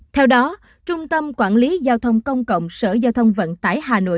theo đó trung tâm quản lý giao thông công cộng sở giao thông vận tải hà nội